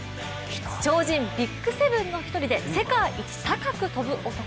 超人ＢＩＧ７の１人で世界一高く跳ぶ男。